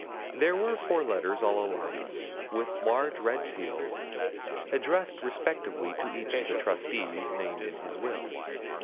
There were four letters all alike with large, red seals, addressed respectively to each of the trustees named in the will.